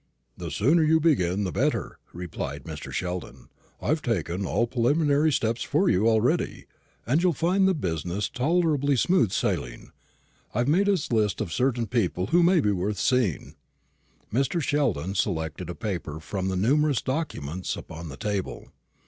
"The sooner you begin the better," replied Mr. Sheldon. "I've taken all preliminary steps for you already, and you'll find the business tolerably smooth sailing. I've made a list of certain people who may be worth seeing." Mr. Sheldon selected a paper from the numerous documents upon the table.